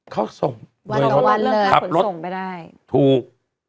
เขาส่งตรงนี้ดับรถถูก